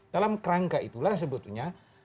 dalam kerangka itulah sebetulnya